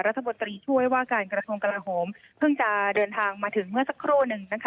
รัฐมนตรีช่วยว่าการกระทรวงกลาโหมเพิ่งจะเดินทางมาถึงเมื่อสักครู่หนึ่ง